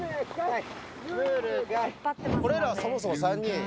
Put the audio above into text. はい！